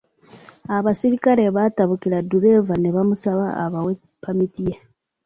Abasirikale baatabukira ddereeva ne bamusaba abawe ppamiti ye.